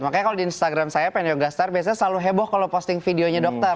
makanya kalau di instagram saya penyogastar biasanya selalu heboh kalau posting videonya dokter